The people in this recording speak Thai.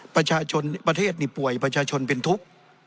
ประชาชนประเทศนี่ป่วยประชาชนเป็นทุกข์